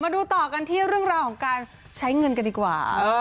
ดูต่อกันที่เรื่องราวของการใช้เงินกันดีกว่า